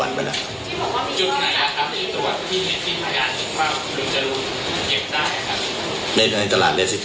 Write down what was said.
จุดไหนล่ะครับตอนที่เห็นที่พยานสิบส่วนคุณจรูนเก็บได้ครับ